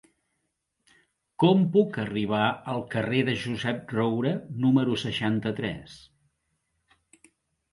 Com puc arribar al carrer de Josep Roura número seixanta-tres?